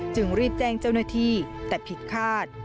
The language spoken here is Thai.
จึงรีบแจ้งเจ้าหน้าที่แต่ผิดคาด